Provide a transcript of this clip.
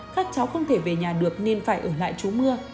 các cháu không thể về nhà được nên phải ở lại chú mưa